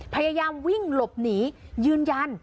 พยายามวิ่งหลบหนียืนยัน